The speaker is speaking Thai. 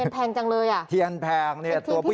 แพงเทียนแพงจังเลย